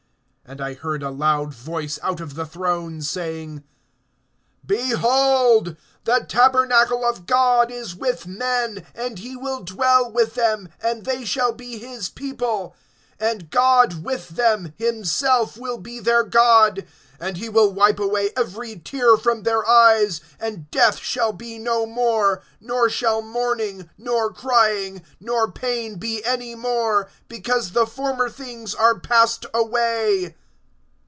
(3)And I heard a loud voice out of the throne, saying: Behold, the tabernacle of God is with men, and he will dwell with them, and they shall be his people, and GOD WITH THEM[21:3] himself will be their God. (4)And he will wipe away every tear from their eyes; and death shall be no more, nor shall mourning, nor crying, nor pain be any more; because the former things are passed away.